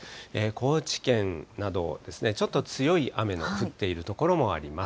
高知県など、ちょっと強い雨の降っている所もあります。